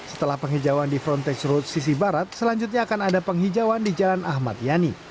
setelah penghijauan di frontage road sisi barat selanjutnya akan ada penghijauan di jalan ahmad yani